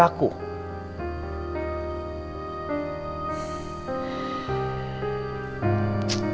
kalo aku tuh kyop ya belum memotrolin